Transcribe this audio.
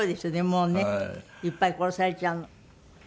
もうねいっぱい殺されちゃうの。